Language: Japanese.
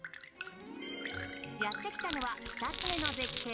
やってきたのは２つ目の絶景